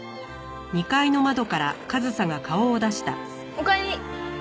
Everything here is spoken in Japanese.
おかえり！